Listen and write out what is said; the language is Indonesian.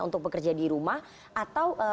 untuk bekerja di rumah atau